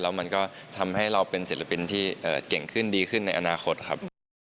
แล้วมันก็ทำให้เราเป็นศิลปินที่เก่งขึ้นดีขึ้นในอนาคตครับ